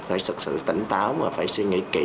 phải thực sự tỉnh táo mà phải suy nghĩ kỹ